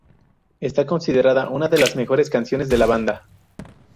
Está considerada una de las mejores canciones de la banda.